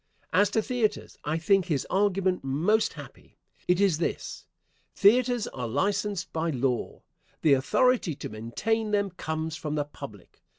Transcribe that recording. As to theatres, I think his argument most happy. It is this: Theatres are licensed by law. The authority to maintain them comes from the public.